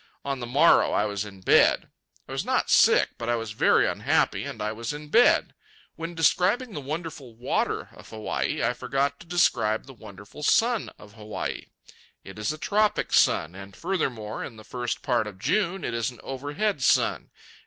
On the morrow I was in bed. I was not sick, but I was very unhappy, and I was in bed. When describing the wonderful water of Hawaii I forgot to describe the wonderful sun of Hawaii. It is a tropic sun, and, furthermore, in the first part of June, it is an overhead sun.